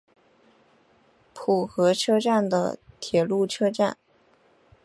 浦和车站的铁路车站。